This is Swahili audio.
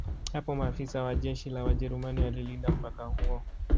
Hapo maafisa wa jeshi la Wajerumani walilinda mpaka huo